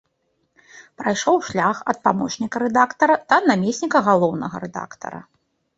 Прайшоў шлях ад памочніка рэдактара да намесніка галоўнага рэдактара.